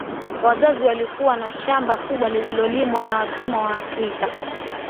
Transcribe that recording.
Wazazi walikuwa na shamba kubwalililolimwa na watumwa Waafrika